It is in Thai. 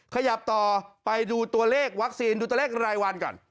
ขยับต่อไปดูตัวเลขวัคซีนดูตัวเลขรายวันก่อน